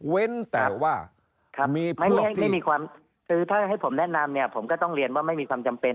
แต่ว่าไม่มีความคือถ้าให้ผมแนะนำเนี่ยผมก็ต้องเรียนว่าไม่มีความจำเป็น